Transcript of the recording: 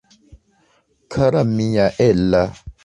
Kara mia Ella!